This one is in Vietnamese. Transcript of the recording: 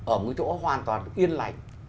ở một chỗ hoàn toàn yên lạnh